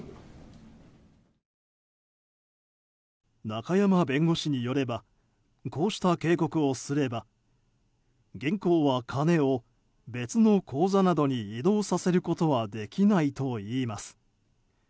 中山弁護士によればこうした警告をすれば銀行は金を別の口座などに移動させることはできないといいます。